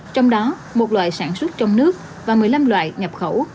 trong đó một loại sản xuất trong nước và một mươi năm loại nhập khẩu